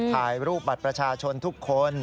ถ่ายรูปบัตรประชาชนทุกคน